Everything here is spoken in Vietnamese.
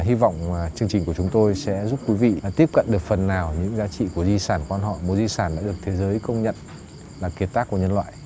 hy vọng chương trình của chúng tôi sẽ giúp quý vị tiếp cận được phần nào những giá trị của di sản quan họ một di sản đã được thế giới công nhận là kiệt tác của nhân loại